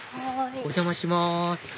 お邪魔します